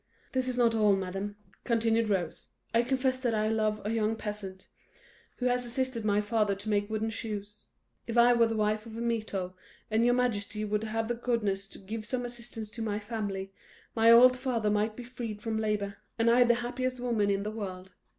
"This is not all, madam," continued Rose; "I confess that I love a young peasant, who has assisted my father to make wooden shoes. If I were the wife of Mirto, and your majesty would have the goodness to give some assistance to my family, my old father might be freed from labour, and I the happiest woman in the world."